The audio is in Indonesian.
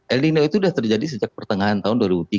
el nino itu sudah terjadi sejak pertengahan tahun dua ribu tiga